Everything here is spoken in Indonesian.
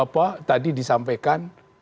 soal apa tadi disampaikan